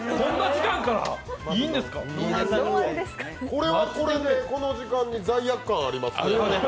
これはこれで、この時間帯に罪悪感ありますね。